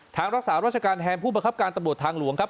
รักษาราชการแทนผู้บังคับการตำรวจทางหลวงครับ